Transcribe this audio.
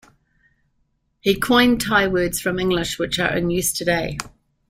He coined Thai words from English which are in use today.